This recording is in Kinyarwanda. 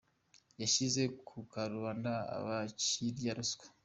yashyize ku karubanda abakirya ruswa